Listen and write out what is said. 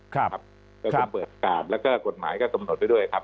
ก็ต้องเปิดโอกาสแล้วก็กฎหมายก็สมนตรไว้ด้วยครับ